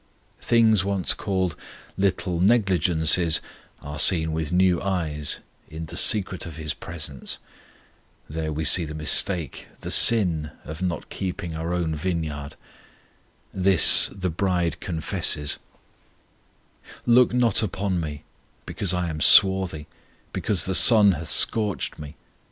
Things once called "little negligences" are seen with new eyes in "the secret of His presence." There we see the mistake, the sin, of not keeping our own vineyard. This the bride confesses: Look not upon me, because I am swarthy, Because the sun hath scorched me.